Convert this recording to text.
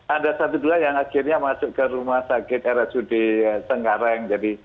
ada satu dua yang akhirnya masuk ke rumah sakit rsud tengkareng